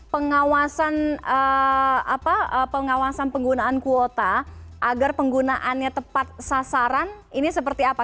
pengawasan penggunaan kuota agar penggunaannya tepat sasaran ini seperti apa